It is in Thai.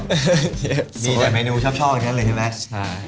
พี่สองมีหลายมีนูชอบอันนั้นเลยใช่ไหมใช่